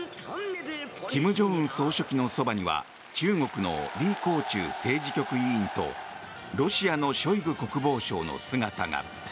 金正恩総書記のそばには中国のリ・コウチュウ政治局委員とロシアのショイグ国防相の姿が。